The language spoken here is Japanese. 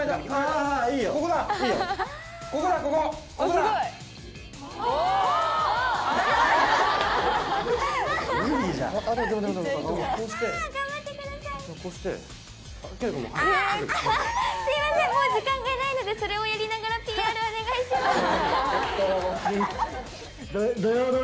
すいませんもう時間がないのでそれをやりながらＰＲお願いします。